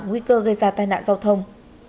nguy cơ gây ra tai nạn giao thông